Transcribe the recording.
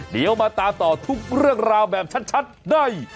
เดี๋ยวมาตามต่อทุกเรื่องราวแบบชัดได้